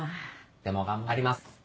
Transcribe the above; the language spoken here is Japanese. でも頑張ります。